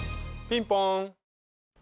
ピンポン。